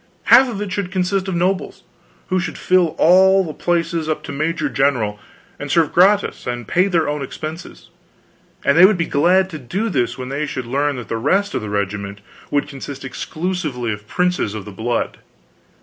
Half of it should consist of nobles, who should fill all the places up to Major General, and serve gratis and pay their own expenses; and they would be glad to do this when they should learn that the rest of the regiment would consist exclusively of princes of the blood.